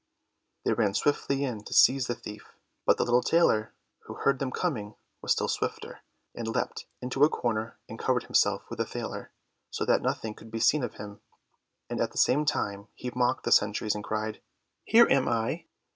They ran swiftly in to seize the thief, but the little tailor, who heard them coming, was still swifter, and leapt into a corner and covered himself with a thaler, so that nothing could be seen of him, and at the same time he mocked the sentries and cried, "Here am I!"